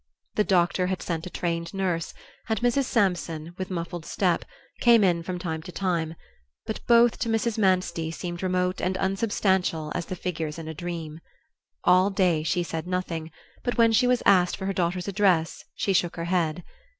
The doctor had sent a trained nurse, and Mrs. Sampson, with muffled step, came in from time to time; but both, to Mrs. Manstey, seemed remote and unsubstantial as the figures in a dream. All day she said nothing; but when she was asked for her daughter's address she shook her head.